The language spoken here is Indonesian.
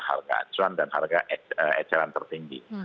harga acuan dan harga eceran tertinggi